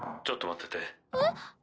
ちょっと待ってて。